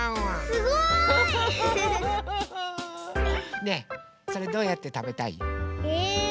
すごい！ねえそれどうやってたべたい？え？